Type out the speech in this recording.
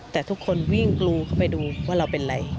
แต่ทุกคนวิ่งกรูเข้าไปดูว่าเราเป็นอะไร